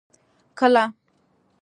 کله.